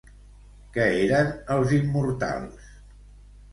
Què eren els Immortals?